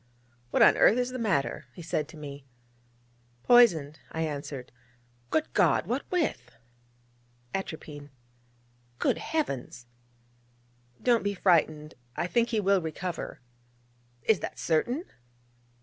'What on earth is the matter?' he said to me. 'Poisoned,' I answered. 'Good God! what with?' 'Atropine.' 'Good Heavens!' 'Don't be frightened: I think he will recover.' 'Is that certain?'